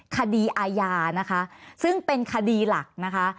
คดีอาญานะคะซึ่งเป็นคดีหลักนะคะ